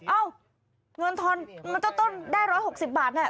เอ้าเงินทอนมันต้นได้๑๖๐บาทน่ะ